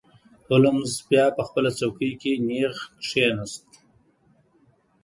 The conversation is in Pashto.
هولمز بیا په خپله څوکۍ کې نیغ کښیناست.